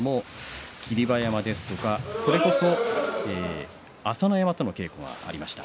霧馬山や、それこそ朝乃山との稽古がありました。